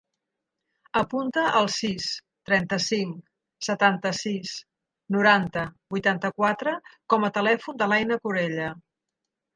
Apunta el sis, trenta-cinc, setanta-sis, noranta, vuitanta-quatre com a telèfon de l'Aina Corella.